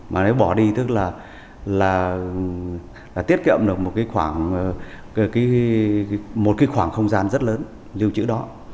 mà nếu bỏ đi tức là tiết kiệm được một khoảng không gian rất lớn lưu trữ đó